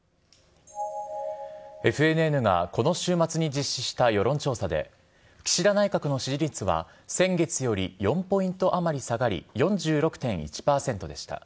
ＦＮＮがこの週末に実施した世論調査で、岸田内閣の支持率は先月より４ポイント余り下がり、４６．１％でした。